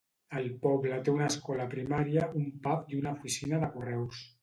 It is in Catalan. El poble té una escola primària, un pub i una oficina de correus.